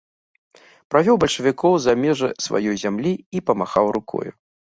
Правёў бальшавікоў за межы сваёй зямлі і памахаў рукою.